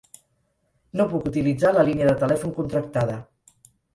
No puc utilitzar la línia de telèfon contractada.